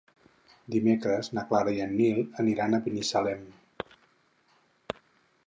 Dimecres na Clara i en Nil aniran a Binissalem.